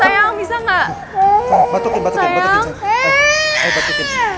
ya ampun maafin tante